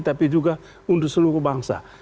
tapi juga untuk seluruh bangsa